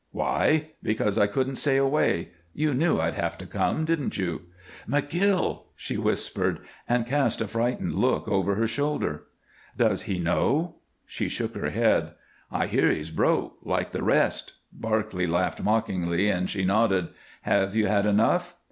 "Why? Because I couldn't stay away. You knew I'd have to come, didn't you?" "McGill!" she whispered, and cast a frightened look over her shoulder. "Does he know?" She shook her head. "I hear he's broke like the rest." Barclay laughed mockingly, and she nodded. "Have you had enough?"